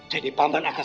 jadi paman akan